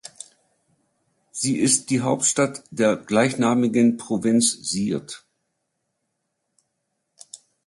Sie ist die Hauptstadt der gleichnamigen Provinz Siirt.